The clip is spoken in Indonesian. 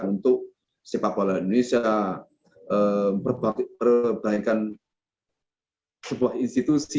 untuk sepak bola indonesia perbaikan sebuah institusi